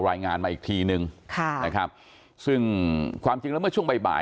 รายงานมาอีกทีนึงซึ่งความจริงแล้วเมื่อช่วงบ่าย